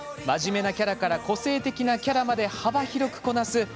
真面目なキャラから個性的なキャラまで幅広くこなす